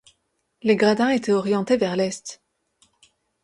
Les gradins étaient orientés vers l'est.